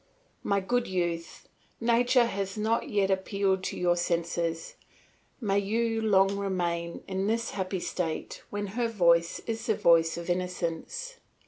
My good youth, nature has not yet appealed to your senses; may you long remain in this happy state when her voice is the voice of innocence.